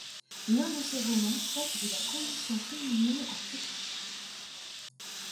L'un de ses romans traite de la condition féminine en Turquie.